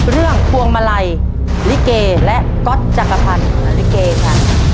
เรื่องกวงมาลัยลิเกและก็อตจักรพันธุ์ลิเกค่ะ